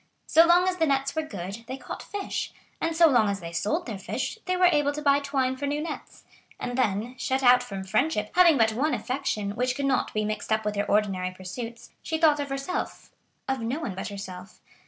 So long as the nets were good, they caught fish; and so long as they sold their fish, they were able to buy twine for new nets. And then, shut out from friendship, having but one affection, which could not be mixed up with her ordinary pursuits, she thought of herself—of no one but herself.